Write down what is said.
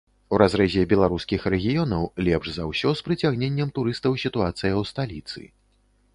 У разрэзе беларускіх рэгіёнаў лепш за ўсё з прыцягненнем турыстаў сітуацыя ў сталіцы.